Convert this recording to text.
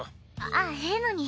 あっええのに。